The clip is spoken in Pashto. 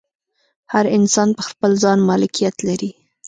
هر انسان پر خپل ځان مالکیت لري.